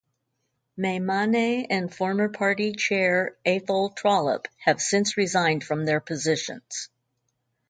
Maimane and former party chair Athol Trollip have since resigned from their positions.